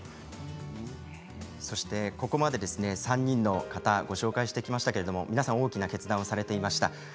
ここまで３人の方をご紹介してきましたけれども皆さん大きな決断をされていました。